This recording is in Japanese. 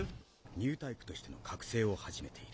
ニュータイプとしての覚醒を始めている。